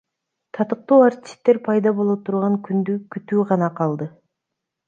Татыктуу артисттер пайда боло турган күндү күтүү гана калды.